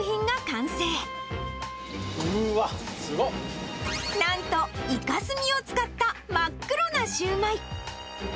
うわっ、なんとイカスミを使った真っ黒なシューマイ。